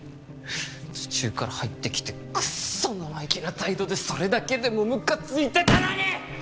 途中から入ってきてクソ生意気な態度でそれだけでもムカついてたのに！